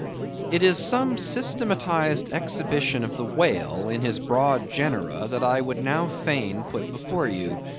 It is some systematized exhibition of the whale in his broad genera, that I would now fain put before you.